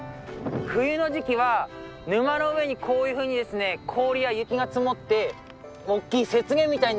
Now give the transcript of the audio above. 冬の時期は沼の上にこういうふうにですね氷や雪が積もって大きい雪原みたいになるんですよ。